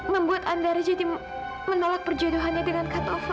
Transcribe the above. membuat andara jadi menolak perjodohannya dengan kak taufan